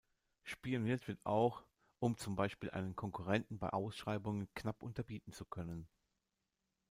Spioniert wird auch, um zum Beispiel einen Konkurrenten bei Ausschreibungen knapp unterbieten zu können.